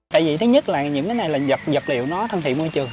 tại vì thứ nhất là những cái này là dập liệu nó thân thiện môi trường